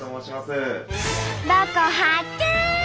ロコ発見！